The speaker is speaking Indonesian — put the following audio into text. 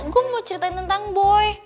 gue mau ceritain tentang boy